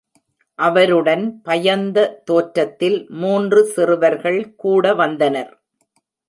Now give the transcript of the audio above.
அவருடன் பயந்த-தோற்றத்தில் மூன்று சிறுவர்கள் கூட வந்தனர்.